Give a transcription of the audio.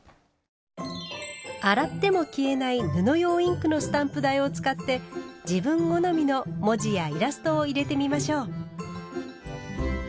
洗っても消えない布用インクのスタンプ台を使って自分好みの文字やイラストを入れてみましょう。